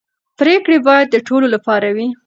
پرېکړې باید د ټولو لپاره وي